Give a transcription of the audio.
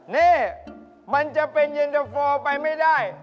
นี่มันจะเป็นเย็นตะโฟไปไม่ได้